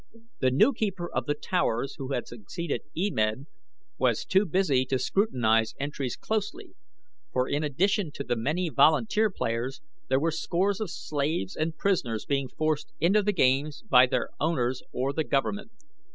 The new keeper of The Towers who had succeeded E Med was too busy to scrutinize entries closely, for in addition to the many volunteer players there were scores of slaves and prisoners being forced into the games by their owners or the government.